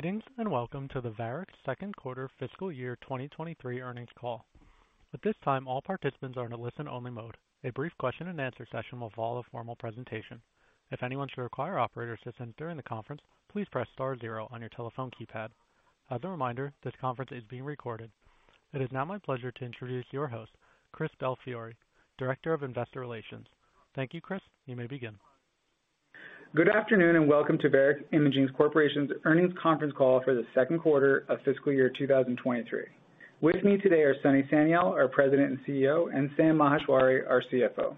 Greetings, welcome to the Varex second quarter fiscal year 2023 earnings call. At this time, all participants are in a listen-only mode. A brief question and answer session will follow a formal presentation. If anyone should require operator assistance during the conference, please press star zero on your telephone keypad. As a reminder, this conference is being recorded. It is now my pleasure to introduce your host, Christopher Belfiore, Director of Investor Relations. Thank you, Chris. You may begin. Good afternoon, and welcome to Varex Imaging Corporation's earnings conference call for the second quarter of fiscal year 2023. With me today are Sunny Sanyal, our President and CEO, and Sam Maheshwari, our CFO.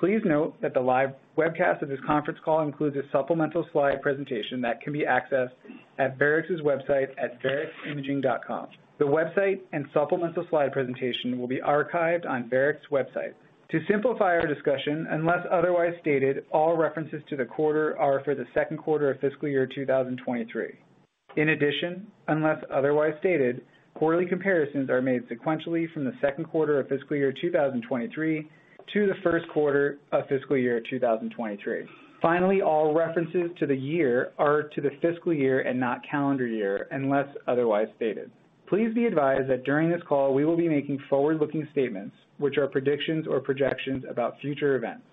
Please note that the live webcast of this conference call includes a supplemental slide presentation that can be accessed at Varex's website at vareximaging.com. The website and supplemental slide presentation will be archived on Varex's website. To simplify our discussion, unless otherwise stated, all references to the quarter are for the second quarter of fiscal year 2023. In addition, unless otherwise stated, quarterly comparisons are made sequentially from the second quarter of fiscal year 2023 to the first quarter of fiscal year 2023. Finally, all references to the year are to the fiscal year and not calendar year, unless otherwise stated. Please be advised that during this call, we will be making forward-looking statements, which are predictions or projections about future events.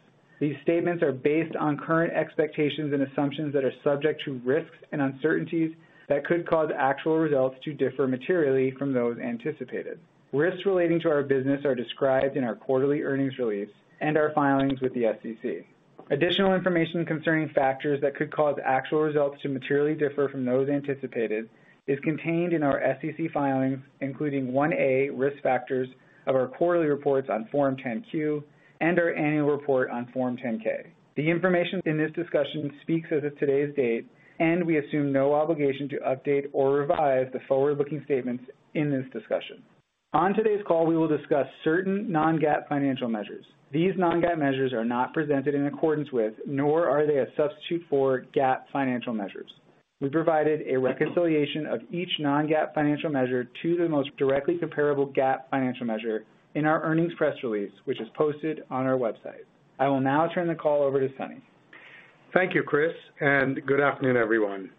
These statements are based on current expectations and assumptions that are subject to risks and uncertainties that could cause actual results to differ materially from those anticipated. Risks relating to our business are described in our quarterly earnings release and our filings with the SEC. Additional information concerning factors that could cause actual results to materially differ from those anticipated is contained in our SEC filings, including 1A risk factors of our quarterly reports on Form 10-Q and our annual report on Form 10-K. The information in this discussion speaks as of today's date, and we assume no obligation to update or revise the forward-looking statements in this discussion. On today's call, we will discuss certain non-GAAP financial measures. These non-GAAP measures are not presented in accordance with, nor are they a substitute for GAAP financial measures. We provided a reconciliation of each non-GAAP financial measure to the most directly comparable GAAP financial measure in our earnings press release, which is posted on our website. I will now turn the call over to Sunny. Thank you, Chris, and good afternoon, everyone.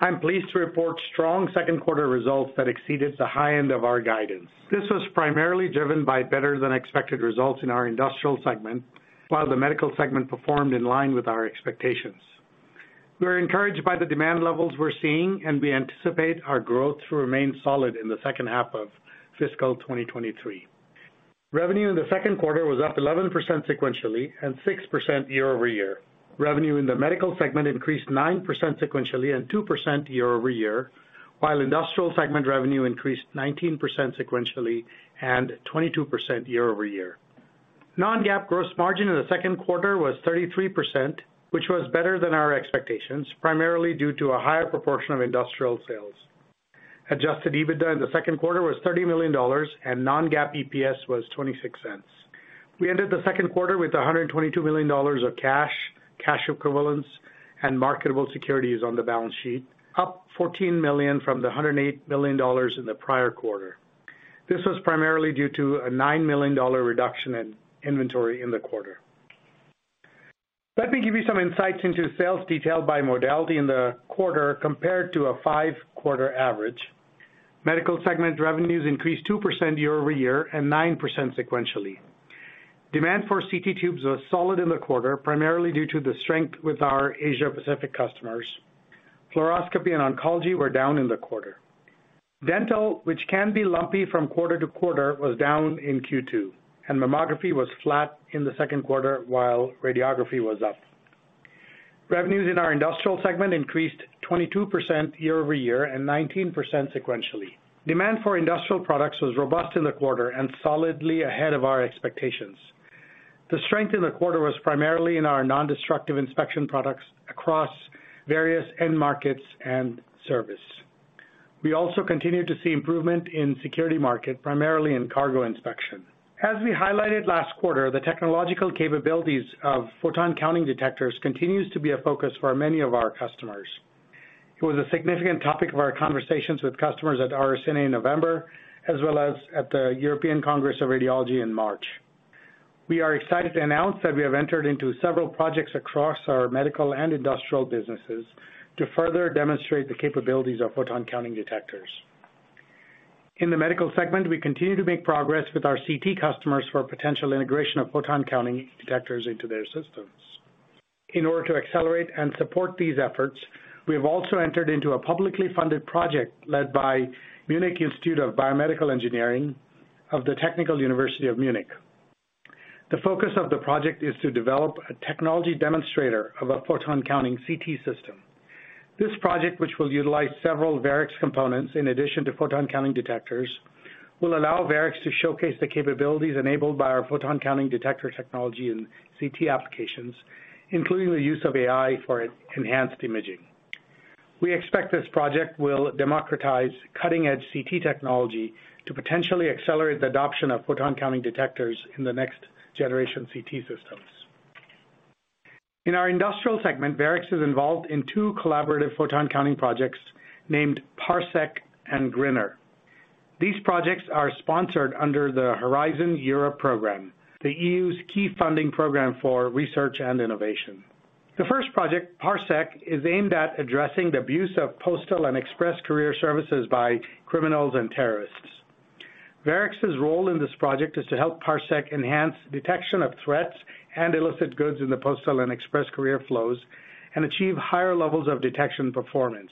I'm pleased to report strong second quarter results that exceeded the high end of our guidance. This was primarily driven by better than expected results in our industrial segment, while the medical segment performed in line with our expectations. We are encouraged by the demand levels we're seeing, and we anticipate our growth to remain solid in the second half of fiscal 2023. Revenue in the second quarter was up 11% sequentially and 6% year-over-year. Revenue in the medical segment increased 9% sequentially and 2% year-over-year, while industrial segment revenue increased 19% sequentially and 22% year-over-year. non-GAAP gross margin in the second quarter was 33%, which was better than our expectations, primarily due to a higher proportion of industrial sales. Adjusted EBITDA in the second quarter was $30 million, and non-GAAP EPS was $0.26. We ended the second quarter with $122 million of cash equivalents, and marketable securities on the balance sheet, up $14 million from the $108 million in the prior quarter. This was primarily due to a $9 million reduction in inventory in the quarter. Let me give you some insights into sales detail by modality in the quarter compared to a five-quarter average. Medical segment revenues increased 2% year-over-year and 9% sequentially. Demand for CT tubes was solid in the quarter, primarily due to the strength with our Asia Pacific customers. fluoroscopy and oncology were down in the quarter. Dental, which can be lumpy from quarter to quarter, was down in Q2. Mammography was flat in the second quarter, while radiography was up. Revenues in our industrial segment increased 22% year-over-year and 19% sequentially. Demand for industrial products was robust in the quarter and solidly ahead of our expectations. The strength in the quarter was primarily in our nondestructive inspection products across various end markets and service. We also continued to see improvement in security market, primarily in cargo inspection. As we highlighted last quarter, the technological capabilities of photon counting detectors continues to be a focus for many of our customers. It was a significant topic of our conversations with customers at RSNA in November, as well as at the European Congress of Radiology in March. We are excited to announce that we have entered into several projects across our medical and industrial businesses to further demonstrate the capabilities of photon counting detectors. In the medical segment, we continue to make progress with our CT customers for potential integration of photon counting detectors into their systems. In order to accelerate and support these efforts, we have also entered into a publicly funded project led by Munich Institute of Biomedical Engineering of the Technical University of Munich. The focus of the project is to develop a technology demonstrator of a photon counting CT system. This project, which will utilize several Varex's components in addition to photon counting detectors, will allow Varex to showcase the capabilities enabled by our photon counting detector technology in CT applications, including the use of AI for enhanced imaging. We expect this project will democratize cutting-edge CT technology to potentially accelerate the adoption of photon counting detectors in the next generation CT systems. In our industrial segment, Varex is involved in two collaborative photon counting projects named PARSEC and GRINNER. These projects are sponsored under the Horizon Europe program, the EU's key funding program for research and innovation. The first project, PARSEC, is aimed at addressing the abuse of postal and express courier services by criminals and terrorists. Varex's role in this project is to help PARSEC enhance detection of threats and illicit goods in the postal and express courier flows and achieve higher levels of detection performance.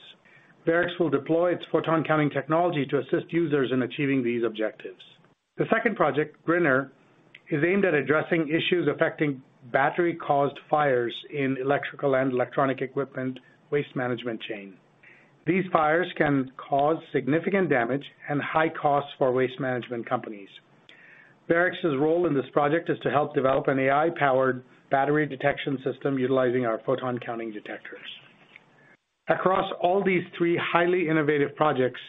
Varex will deploy its photon-counting technology to assist users in achieving these objectives. The second project, GRINNER, is aimed at addressing issues affecting battery-caused fires in electrical and electronic equipment waste management chain. These fires can cause significant damage and high costs for waste management companies. Varex's role in this project is to help develop an AI-powered battery detection system utilizing our photon counting detectors. Across all these three highly innovative projects,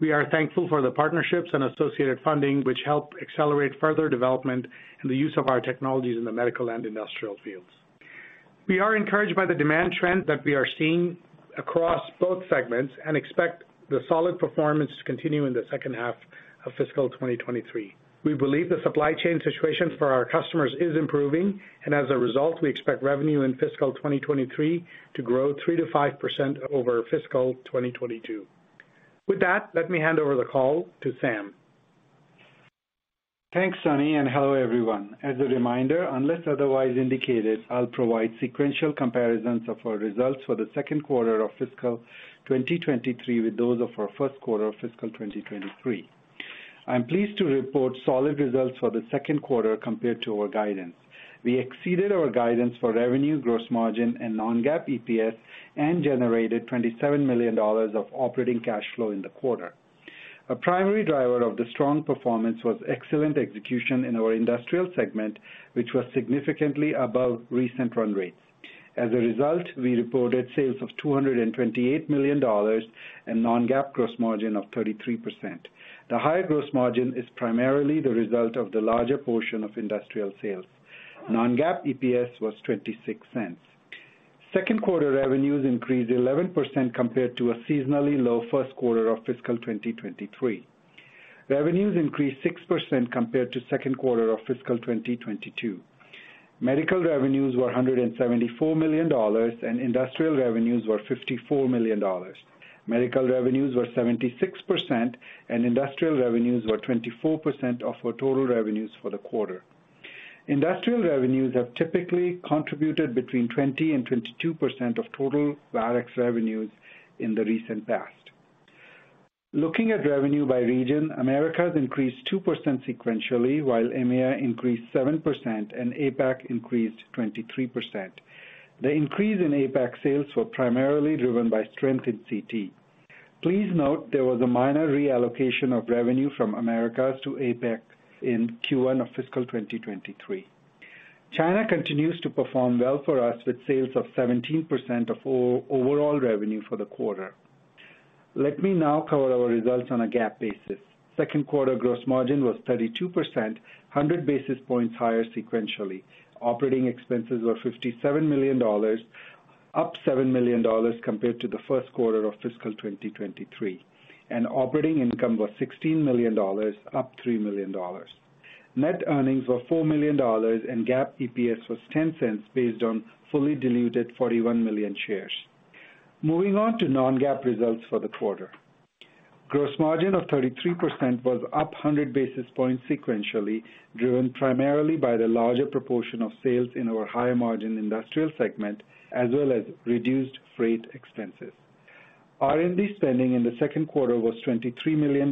we are thankful for the partnerships and associated funding, which help accelerate further development and the use of our technologies in the medical and industrial fields. We are encouraged by the demand trend that we are seeing across both segments and expect the solid performance to continue in the second half of fiscal 2023. We believe the supply chain situation for our customers is improving, and as a result, we expect revenue in fiscal 2023 to grow 3%-5% over fiscal 2022. With that, let me hand over the call to Sam. Thanks, Sunny. Hello, everyone. As a reminder, unless otherwise indicated, I'll provide sequential comparisons of our results for the second quarter of fiscal 2023 with those of our first quarter of fiscal 2023. I am pleased to report solid results for the second quarter compared to our guidance. We exceeded our guidance for revenue, gross margin, and non-GAAP EPS and generated $27 million of operating cash flow in the quarter. A primary driver of the strong performance was excellent execution in our industrial segment, which was significantly above recent run rates. As a result, we reported sales of $228 million and non-GAAP gross margin of 33%. The high gross margin is primarily the result of the larger portion of industrial sales. Non-GAAP EPS was $0.26. Second quarter revenues increased 11% compared to a seasonally low first quarter of fiscal 2023. Revenues increased 6% compared to second quarter of fiscal 2022. Medical revenues were $174 million, and industrial revenues were $54 million. Medical revenues were 76%, and industrial revenues were 24% of our total revenues for the quarter. Industrial revenues have typically contributed between 20%-22% of total Varex revenues in the recent past. Looking at revenue by region, Americas increased 2% sequentially, while EMEA increased 7%, and APAC increased 23%. The increase in APAC sales were primarily driven by strength in CT. Please note there was a minor reallocation of revenue from Americas to APAC in Q1 of fiscal 2023. China continues to perform well for us with sales of 17% of overall revenue for the quarter. Let me now cover our results on a GAAP basis. Second quarter gross margin was 32%, 100 basis points higher sequentially. Operating expenses were $57 million, up $7 million compared to the first quarter of fiscal 2023. Operating income was $16 million, up $3 million. Net earnings were $4 million, and GAAP EPS was $0.10 based on fully diluted 41 million shares. Moving on to non-GAAP results for the quarter. Gross margin of 33% was up 100 basis points sequentially, driven primarily by the larger proportion of sales in our higher-margin industrial segment, as well as reduced freight expenses. R&D spending in the second quarter was $23 million,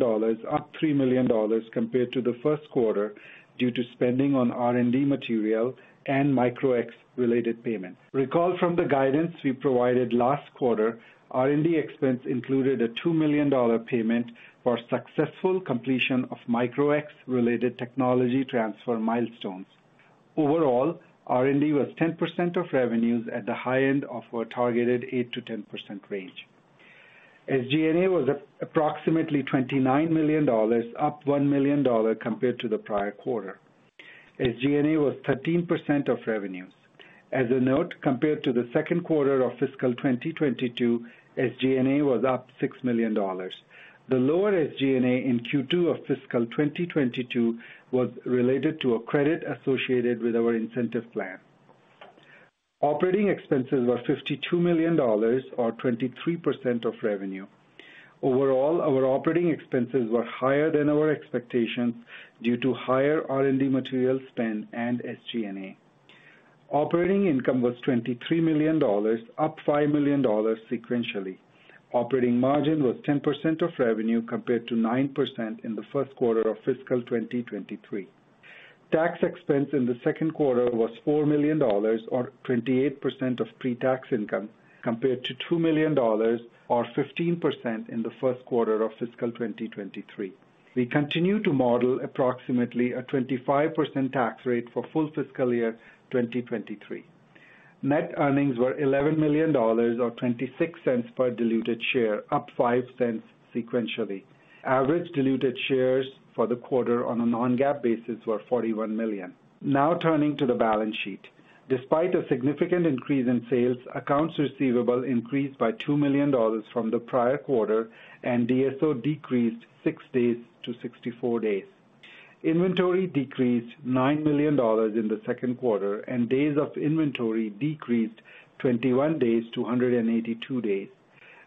up $3 million compared to the first quarter due to spending on R&D material and Micro-X related payments. Recall from the guidance we provided last quarter, R&D expense included a $2 million payment for successful completion of Micro-X related technology transfer milestones. Overall, R&D was 10% of revenues at the high end of our targeted 8%-10% range. SG&A was approximately $29 million, up $1 million compared to the prior quarter. SG&A was 13% of revenues. As a note, compared to the second quarter of fiscal 2022, SG&A was up $6 million. The lower SG&A in Q2 of fiscal 2022 was related to a credit associated with our incentive plan. Operating expenses were $52 million or 23% of revenue. Overall, our operating expenses were higher than our expectations due to higher R&D material spend and SG&A. Operating income was $23 million, up $5 million sequentially. Operating margin was 10% of revenue compared to 9% in the first quarter of fiscal 2023. Tax expense in the second quarter was $4 million or 28% of pre-tax income, compared to $2 million or 15% in the first quarter of fiscal 2023. We continue to model approximately a 25% tax rate for full fiscal year 2023. Net earnings were $11 million or $0.26 per diluted share, up $0.05 sequentially. Average diluted shares for the quarter on a non-GAAP basis were 41 million. Now turning to the balance sheet. Despite a significant increase in sales, accounts receivable increased by $2 million from the prior quarter, and DSO decreased 6 days to 64 days. Inventory decreased $9 million in the second quarter, and days of inventory decreased 21 days to 182 days.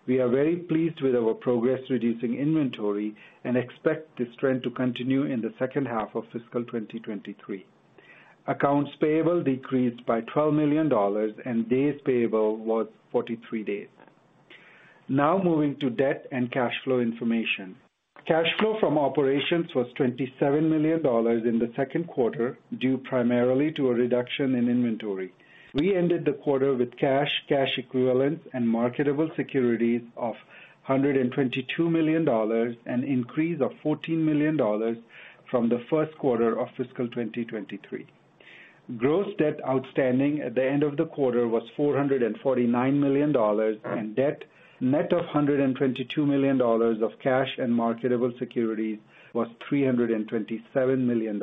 We are very pleased with our progress reducing inventory and expect this trend to continue in the second half of fiscal 2023. Accounts payable decreased by $12 million. Days payable was 43 days. Now moving to debt and cash flow information. Cash flow from operations was $27 million in the second quarter, due primarily to a reduction in inventory. We ended the quarter with cash equivalents and marketable securities of $122 million, an increase of $14 million from the first quarter of fiscal 2023. Gross debt outstanding at the end of the quarter was $449 million. Debt, net of $122 million of cash and marketable securities, was $327 million.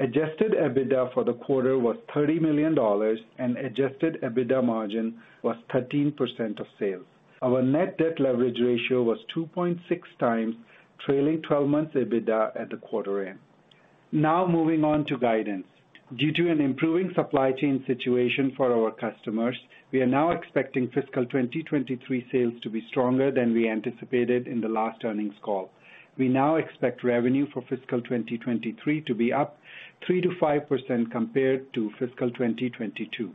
Adjusted EBITDA for the quarter was $30 million. Adjusted EBITDA margin was 13% of sales. Our net debt leverage ratio was 2.6 times trailing twelve months EBITDA at the quarter end. Moving on to guidance. Due to an improving supply chain situation for our customers, we are now expecting fiscal 2023 sales to be stronger than we anticipated in the last earnings call. We now expect revenue for fiscal 2023 to be up 3%-5% compared to fiscal 2022.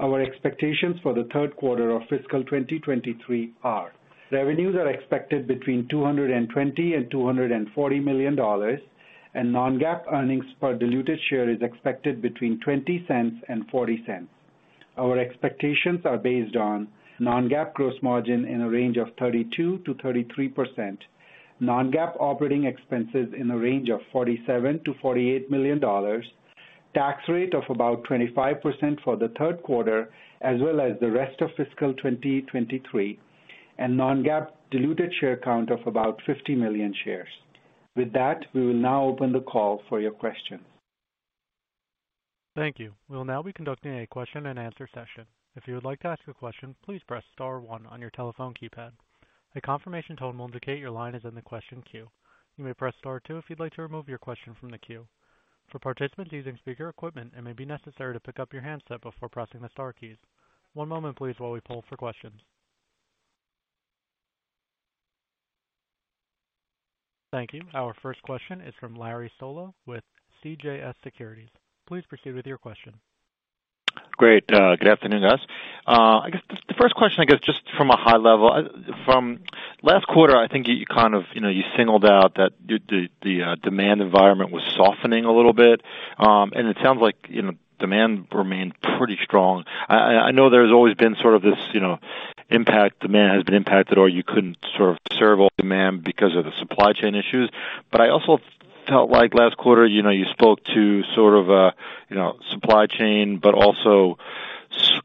Our expectations for the third quarter of fiscal 2023 are: revenues are expected between $220 million and $240 million, and non-GAAP earnings per diluted share is expected between $0.20 and $0.40. Our expectations are based on non-GAAP gross margin in a range of 32%-33%, non-GAAP operating expenses in a range of $47 million-$48 million, tax rate of about 25% for the third quarter, as well as the rest of fiscal 2023, and non-GAAP diluted share count of about 50 million shares. With that, we will now open the call for your questions. Thank you. We'll now be conducting a question and answer session. If you would like to ask a question, please press star one on your telephone keypad. A confirmation tone will indicate your line is in the question queue. You may press star two if you'd like to remove your question from the queue. For participants using speaker equipment, it may be necessary to pick up your handset before pressing the star keys. One moment please while we poll for questions. Thank you. Our first question is from Larry Solow with CJS Securities. Please proceed with your question. Great. Good afternoon, guys. I guess the first question, I guess, just from a high level. From last quarter, I think you kind of, you know, you singled out that the demand environment was softening a little bit. It sounds like, you know, demand remained pretty strong. I know there's always been sort of this, you know, impact, demand has been impacted or you couldn't sort of serve all demand because of the supply chain issues. I also felt like last quarter, you know, you spoke to sort of a, you know, supply chain, but also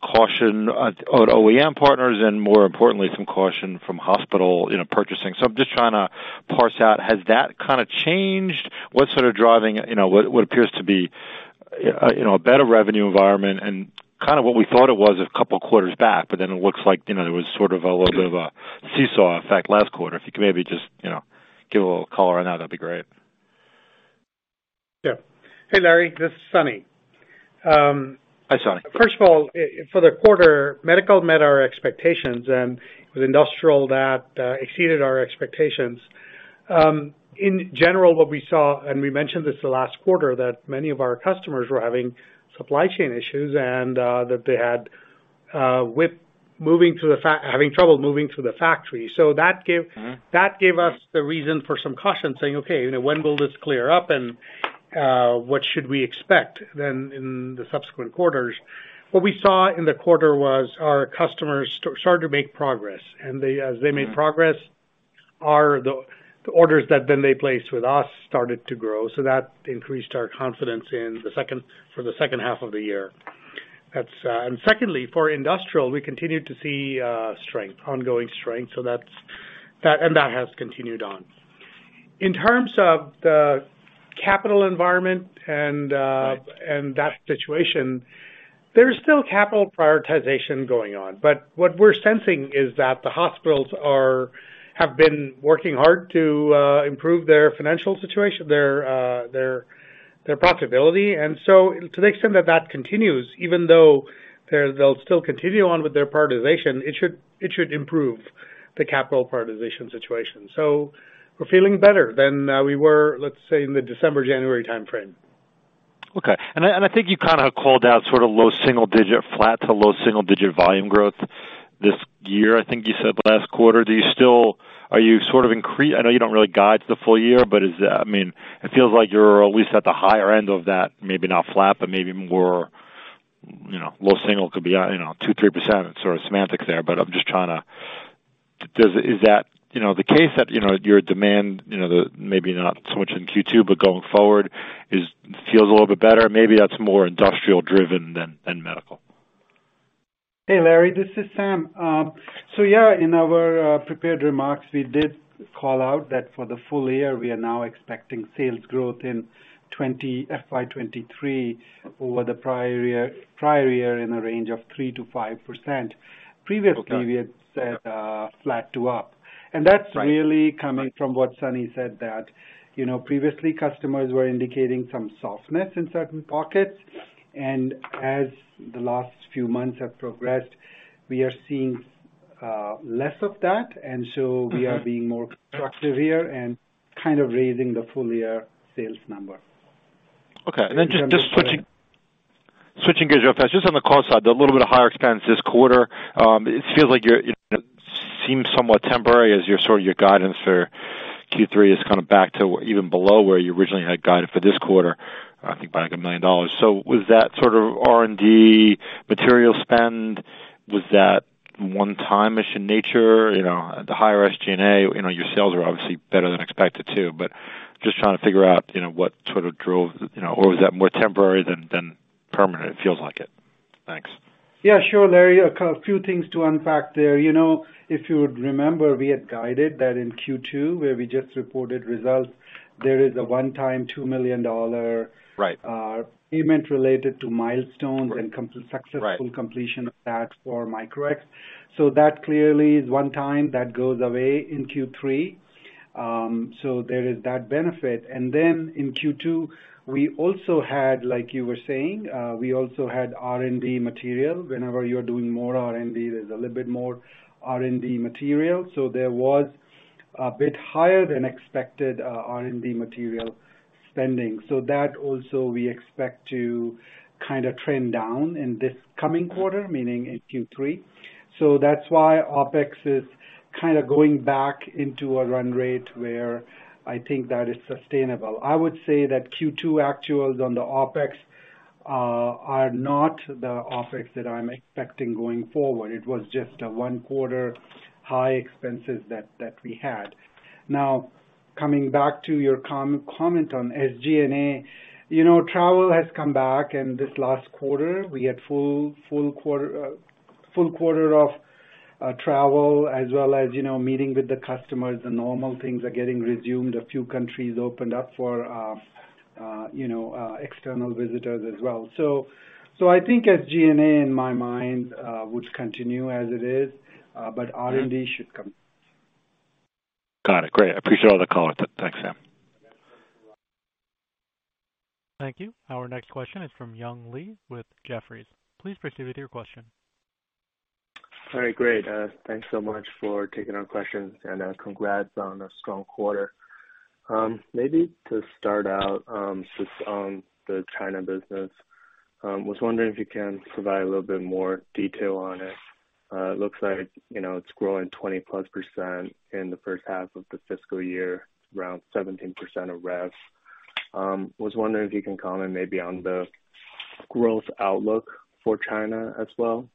caution on OEM partners and more importantly, some caution from hospital, you know, purchasing. I'm just trying to parse out, has that kinda changed? What's sort of driving, you know, what appears to be, you know, a better revenue environment and kind of what we thought it was a couple quarters back, but then it looks like, you know, it was sort of a little bit of a seesaw effect last quarter? If you could maybe just, you know, give a little color on that'd be great. Yeah. Hey, Larry, this is Sunny. Hi, Sunny. First of all, for the quarter, medical met our expectations, and it was industrial that exceeded our expectations. In general, what we saw, and we mentioned this the last quarter, that many of our customers were having supply chain issues and that they had with moving to the factory. That gave Mm-hmm. That gave us the reason for some caution, saying, "Okay, you know, when will this clear up? What should we expect then in the subsequent quarters?" What we saw in the quarter was our customers started to make progress. They, as they made progress, our, the orders that then they placed with us started to grow. That increased our confidence in the second half of the year. That's. Secondly, for industrial, we continued to see strength, ongoing strength. That's, that, and that has continued on. In terms of the capital environment and that situation, there's still capital prioritization going on. What we're sensing is that the hospitals have been working hard to improve their financial situation, their profitability. To the extent that that continues, even though they'll still continue on with their prioritization, it should improve the capital prioritization situation. We're feeling better than we were, let's say, in the December-January timeframe. Okay. I think you kinda called out sort of low single digit, flat to low single digit volume growth this year, I think you said last quarter. Do you still, I know you don't really guide to the full year, but is that? I mean, it feels like you're at least at the higher end of that, maybe not flat, but maybe more, you know, low single could be, you know, 2%, 3%. It's sort of semantics there, but I'm just trying to. Is that, you know, the case that, you know, your demand, you know, the maybe not so much in Q2, but going forward, is feels a little bit better? Maybe that's more industrial driven than medical. Hey, Larry, this is Sam. In our prepared remarks, we did call out that for the full year, we are now expecting sales growth in FY 2023 over the prior year in a range of 3%-5%. Okay. Previously, we had said, flat to up. That's really coming from what Sunny said, that, you know, previously customers were indicating some softness in certain pockets. As the last few months have progressed, we are seeing, less of that, so we are being more constructive here and kind of raising the full year sales number. Okay. Then just switching gears real fast, just on the cost side, a little bit of higher expense this quarter. It feels like you're, it seems somewhat temporary as your sort of your guidance for Q3 is kind of back to even below where you originally had guided for this quarter, I think back $1 million. Was that sort of R&D material spend? Was that one-time issue in nature? You know, the higher SG&A, you know, your sales are obviously better than expected too, but just trying to figure out, you know, what sort of drove, you know, or was that more temporary than permanent? It feels like it. Thanks. Yeah, sure, Larry. Few things to unpack there. You know, if you would remember, we had guided that in Q2, where we just reported results, there is a one-time $2 million dollar- Right payment related to milestones and successful completion of that for Micro-X. That clearly is one time that goes away in Q3. There is that benefit. In Q2, we also had, like you were saying, we also had R&D material. Whenever you're doing more R&D, there's a little bit more R&D material. There was a bit higher than expected R&D material spending. That also we expect to kinda trend down in this coming quarter, meaning in Q3. That's why OpEx is kinda going back into a run rate where I think that is sustainable. I would say that Q2 actuals on the OpEx are not the OpEx that I'm expecting going forward. It was just a one quarter high expenses that we had. Now coming back to your comment on SG&A, you know, travel has come back. This last quarter we had full quarter of travel as well as, you know, meeting with the customers. The normal things are getting resumed. A few countries opened up for, you know, external visitors as well. I think SG&A in my mind would continue as it is. R&D should come. Got it. Great. I appreciate all the color. Thanks, Sam. Thank you. Our next question is from Young Li with Jefferies. Please proceed with your question. All right, great. Thanks so much for taking our questions, and congrats on a strong quarter. Maybe to start out, just on the China business, was wondering if you can provide a little bit more detail on it. It looks like, you know, it's growing 20-plus % in the first half of the fiscal year, around 17% of rev. Was wondering if you can comment maybe on the growth outlook for China as well.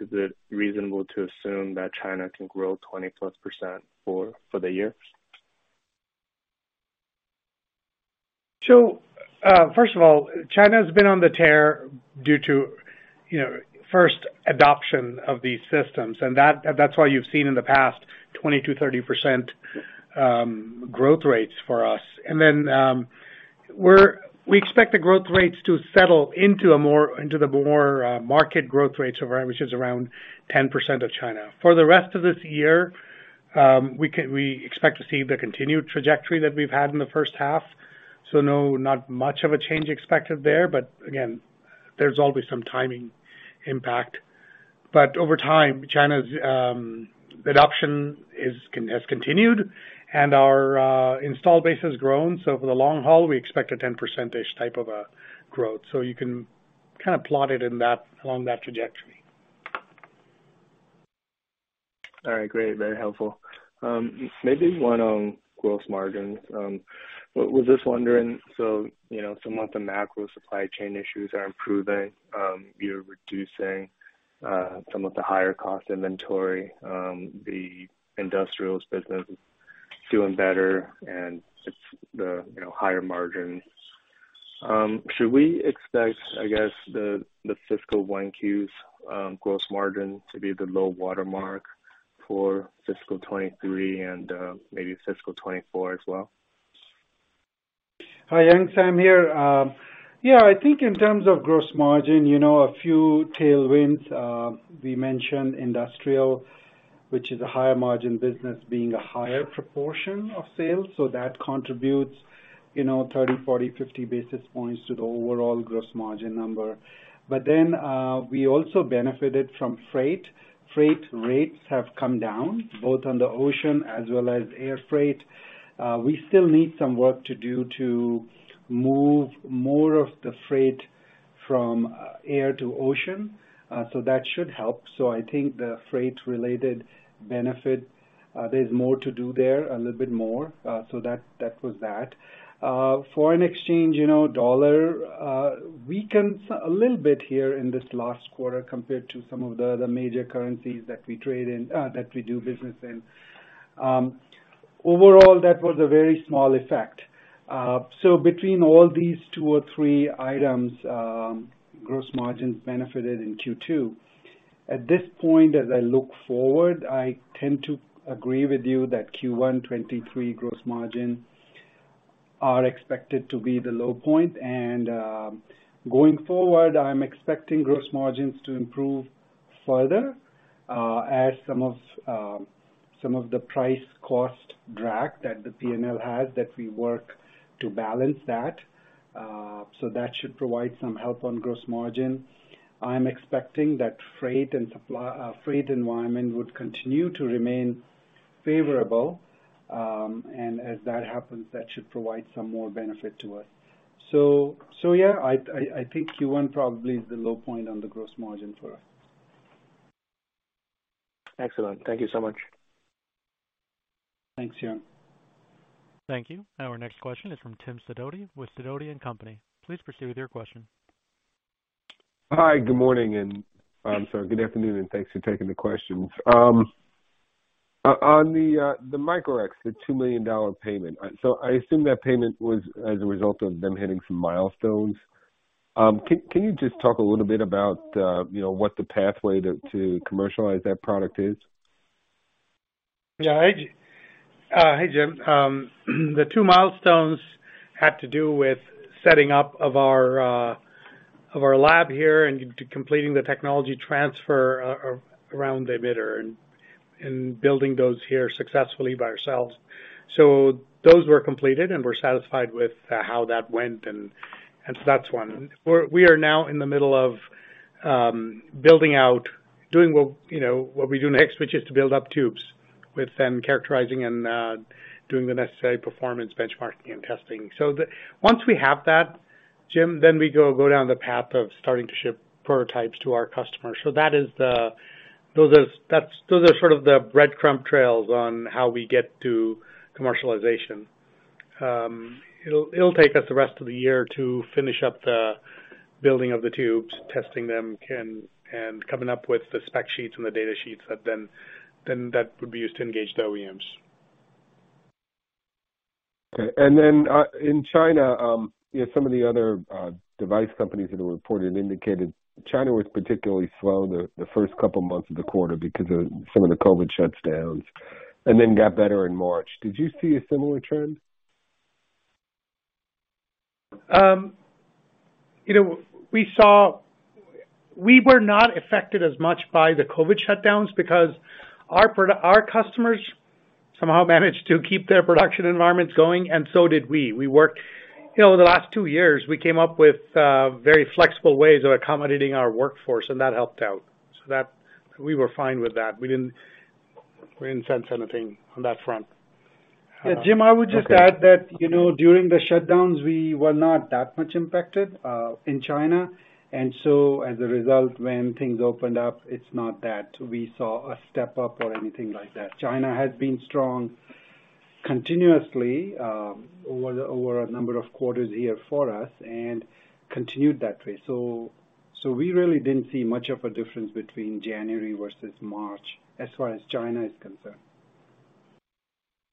Is it reasonable to assume that China can grow 20-plus % for the year? First of all, China has been on the tear due to, you know, first adoption of these systems, and that's why you've seen in the past 20%-30% growth rates for us. Then, we expect the growth rates to settle into the more market growth rates of around, which is around 10% of China. For the rest of this year, we expect to see the continued trajectory that we've had in the first half. No, not much of a change expected there. Again, there's always some timing impact. Over time, China's adoption has continued and our install base has grown. For the long haul, we expect a 10% type of growth. You can kind of plot it in that, along that trajectory. All right, great. Very helpful. Maybe one on gross margins. Was just wondering, you know, some of the macro supply chain issues are improving, you're reducing some of the higher cost inventory, the industrials business is doing better and it's the, you know, higher margin. Should we expect, I guess, the fiscal one Q's gross margin to be the low water mark for fiscal 2023 and maybe fiscal 2024 as well? Hi, Young. Sam here. Yeah, I think in terms of gross margin, you know, a few tailwinds, we mentioned industrial, which is a higher margin business being a higher proportion of sales, so that contributes, you know, 30, 40, 50 basis points to the overall gross margin number. We also benefited from freight. Freight rates have come down both on the ocean as well as air freight. We still need some work to do to move more of the freight from air to ocean, so that should help. I think the freight related benefit, there's more to do there, a little bit more, so that was that. Foreign exchange, you know, dollar weakened a little bit here in this last quarter compared to some of the other major currencies that we do business in. Overall, that was a very small effect. Between all these two or three items, gross margins benefited in Q2. At this point, as I look forward, I tend to agree with you that Q1 2023 gross margins are expected to be the low point. Going forward, I'm expecting gross margins to improve further, as some of the price cost drag that the P&L has that we work to balance that. That should provide some help on gross margin. I'm expecting that freight environment would continue to remain favorable. As that happens, that should provide some more benefit to us. Yeah, I think Q1 probably is the low point on the gross margin for us. Excellent. Thank you so much. Thanks, Young. Thank you. Our next question is from Jim Sidoti with Sidoti & Company. Please proceed with your question. Hi. Good morning, and I'm sorry. Good afternoon, and thanks for taking the questions. On the Micro-X, the $2 million payment. I assume that payment was as a result of them hitting some milestones. Can you just talk a little bit about, you know, what the pathway to commercialize that product is? Hey, Jim. The two milestones had to do with setting up of our lab here and completing the technology transfer around the emitter and building those here successfully by ourselves. Those were completed, and we're satisfied with how that went and so that's one. We are now in the middle of building out, doing what, you know, what we do next, which is to build up tubes with then characterizing and doing the necessary performance benchmarking and testing. Once we have that, Jim, then we go down the path of starting to ship prototypes to our customers. Those are sort of the breadcrumb trails on how we get to commercialization. It'll take us the rest of the year to finish up the building of the tubes, testing them, and coming up with the spec sheets and the data sheets that then that would be used to engage the OEMs. Okay. In China, you know, some of the other device companies that have reported indicated China was particularly slow the first couple months of the quarter because of some of the COVID shutdowns and then got better in March. Did you see a similar trend? You know, we were not affected as much by the COVID shutdowns because our customers somehow managed to keep their production environments going, and so did we. We worked. You know, the last two years, we came up with very flexible ways of accommodating our workforce, and that helped out. We were fine with that. We didn't sense anything on that front. Yeah, Jim, I would just add that, you know, during the shutdowns, we were not that much impacted in China. As a result, when things opened up, it's not that we saw a step up or anything like that. China has been strong continuously over a number of quarters here for us and continued that way. so we really didn't see much of a difference between January versus March as far as China is concerned.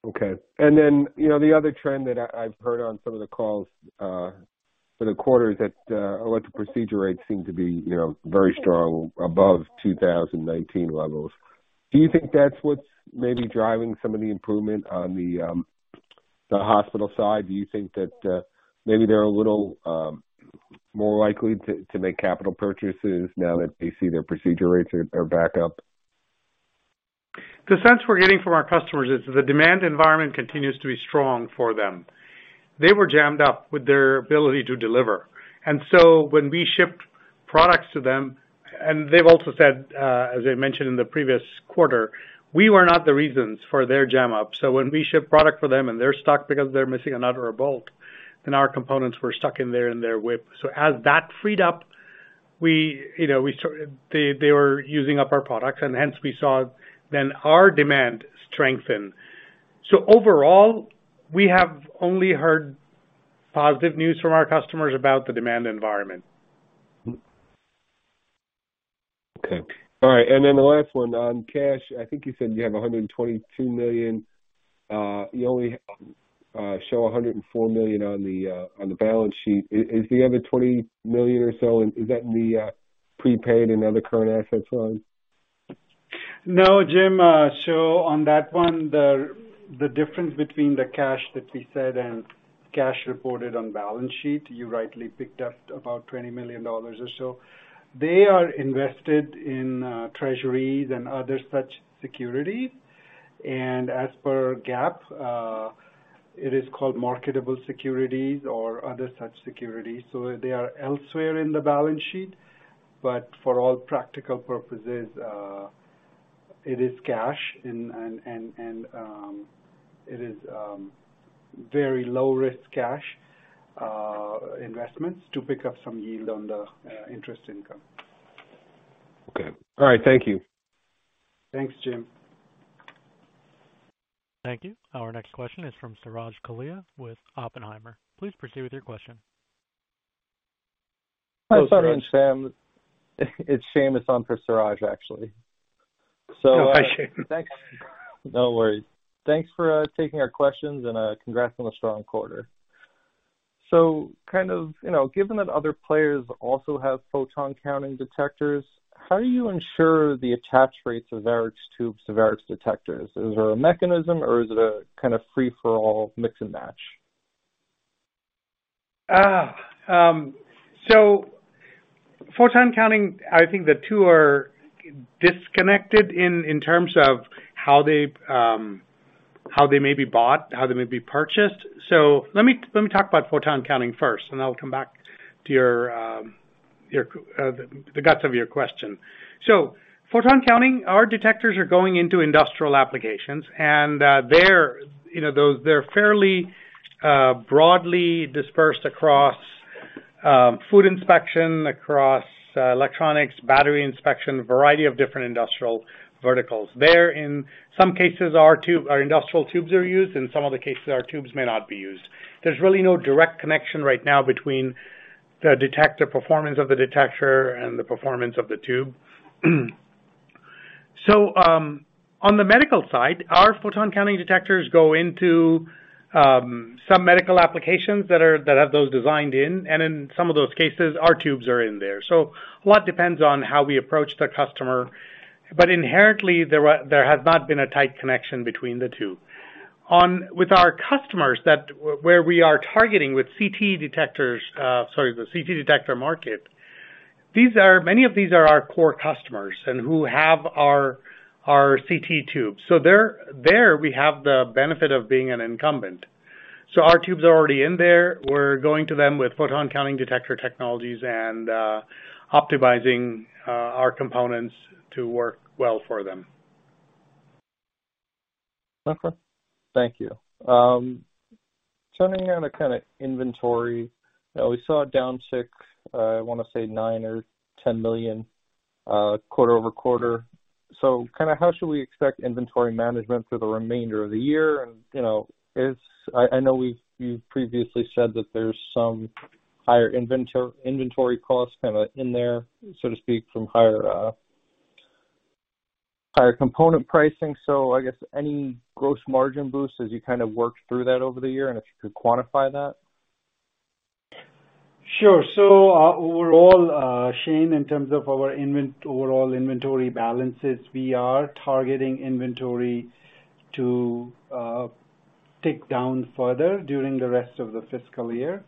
Okay. Then, you know, the other trend that I've heard on some of the calls for the quarter is that elective procedure rates seem to be, you know, very strong above 2019 levels. Do you think that's what's maybe driving some of the improvement on the hospital side? Do you think that maybe they're a little more likely to make capital purchases now that they see their procedure rates are back up? The sense we're getting from our customers is the demand environment continues to be strong for them. They were jammed up with their ability to deliver. When we shipped products to them, and they've also said, as I mentioned in the previous quarter, we were not the reasons for their jam up. When we ship product for them and they're stuck because they're missing a nut or a bolt, then our components were stuck in there in their WIP. As that freed up, we, you know, They were using up our products, and hence we saw then our demand strengthen. Overall, we have only heard positive news from our customers about the demand environment. Okay. All right. The last one on cash. I think you said you have $122 million. You only show $104 million on the balance sheet. Is the other $20 million or so, is that in the prepaid and other current assets line? No, Jim. On that one, the difference between the cash that we said and cash reported on balance sheet, you rightly picked up about $20 million or so. They are invested in Treasuries and other such securities. As per GAAP, it is called marketable securities or other such securities. They are elsewhere in the balance sheet. For all practical purposes, it is cash and it is very low risk cash investments to pick up some yield on the interest income. Okay. All right. Thank you. Thanks, Jim. Thank you. Our next question is from Suraj Kalia with Oppenheimer. Please proceed with your question. Hi, Suraj and Sam. It's Seamus. I'm for Suraj, actually. Hi, Seamus. Thanks. No worries. Thanks for taking our questions, and congrats on a strong quarter. Kind of, you know, given that other players also have photon counting detectors, how do you ensure the attach rates of Varex tubes to Varex detectors? Is there a mechanism or is it a kind of free-for-all mix and match? Photon counting, I think the two are disconnected in terms of how they, how they may be bought, how they may be purchased. Let me talk about photon counting first, and I'll come back to your, the guts of your question. Photon counting, our detectors are going into industrial applications, and, they're, you know, they're fairly, broadly dispersed across, food inspection, across electronics, battery inspection, a variety of different industrial verticals. There, in some cases, our tube, our industrial tubes are used, in some other cases, our tubes may not be used. There's really no direct connection right now between the detector performance of the detector and the performance of the tube. On the medical side, our photon counting detectors go into some medical applications that have those designed in, and in some of those cases, our tubes are in there. A lot depends on how we approach the customer. Inherently, there has not been a tight connection between the two. With our customers that where we are targeting with CT detectors, sorry, the CT detector market, many of these are our core customers and who have our CT tubes. There we have the benefit of being an incumbent. Our tubes are already in there. We're going to them with photon counting detector technologies and optimizing our components to work well for them. Okay. Thank you. Turning on a kinda inventory, we saw it down $6 million, I wanna say $9 million or $10 million quarter-over-quarter. Kinda how should we expect inventory management for the remainder of the year? You know, I know we've, you've previously said that there's some higher inventory costs kinda in there, so to speak, from higher component pricing. I guess any gross margin boosts as you kind of work through that over the year, and if you could quantify that? Sure. Overall, Seamus, in terms of our overall inventory balances, we are targeting inventory to take down further during the rest of the fiscal year.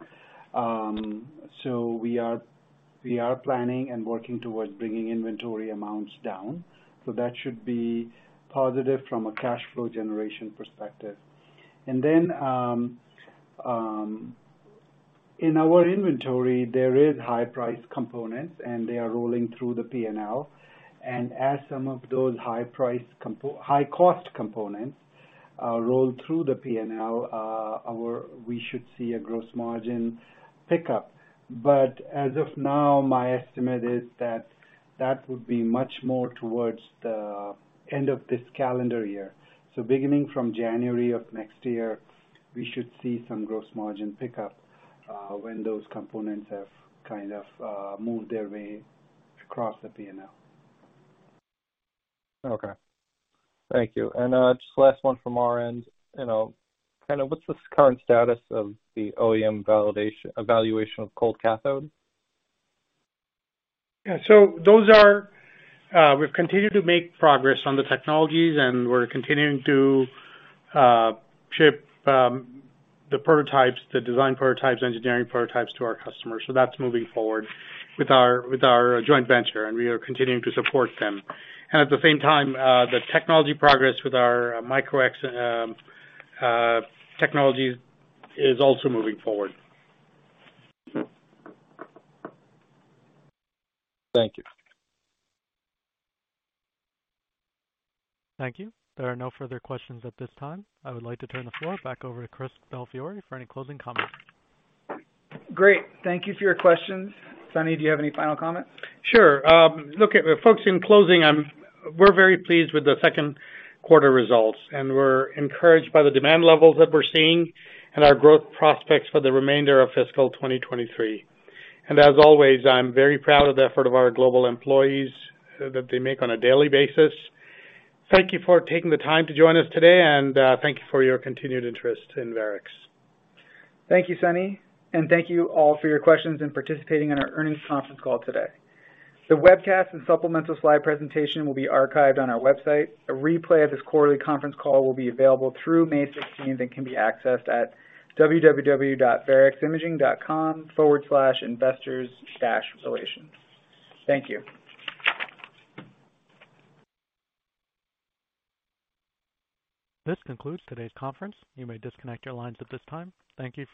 We are planning and working towards bringing inventory amounts down. That should be positive from a cash flow generation perspective. In our inventory, there is high price components, and they are rolling through the P&L. As some of those high cost components roll through the P&L, we should see a gross margin pickup. As of now, my estimate is that that would be much more towards the end of this calendar year. Beginning from January of next year, we should see some gross margin pickup when those components have kind of moved their way across the P&L. Okay. Thank you. Just last one from our end, you know, kind of what's the current status of the OEM evaluation of cold cathode? Yeah. Those are... we've continued to make progress on the technologies, and we're continuing to ship the prototypes, the design prototypes, engineering prototypes to our customers. That's moving forward with our, with our joint venture, and we are continuing to support them. At the same time, the technology progress with our Micro-X technology is also moving forward. Thank you. Thank you. There are no further questions at this time. I would like to turn the floor back over to Christopher Belfiore for any closing comments. Great. Thank you for your questions. Sunny, do you have any final comments? Sure. look, folks, in closing, we're very pleased with the second quarter results, and we're encouraged by the demand levels that we're seeing and our growth prospects for the remainder of fiscal 2023. As always, I'm very proud of the effort of our global employees, that they make on a daily basis. Thank you for taking the time to join us today, and thank you for your continued interest in Varex. Thank you, Sunny. Thank you all for your questions and participating in our earnings conference call today. The webcast and supplemental slide presentation will be archived on our website. A replay of this quarterly conference call will be available through May 16th and can be accessed at www.vareximaging.com/investors-relations. Thank you. This concludes today's conference. You may disconnect your lines at this time. Thank you for your participation.